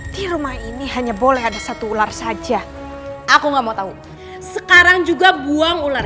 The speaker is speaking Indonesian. di rumah ini hanya boleh ada satu ular saja aku nggak mau tahu sekarang juga buang ular